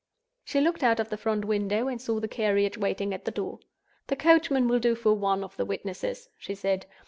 She looked out of the front window, and saw the carriage waiting at the door. "The coachman will do for one of the witnesses," she said.